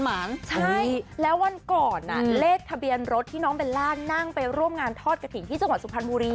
ใช่แล้ววันก่อนเลขทะเบียนรถที่น้องเบลล่านั่งไปร่วมงานทอดกระถิ่นที่จังหวัดสุพรรณบุรี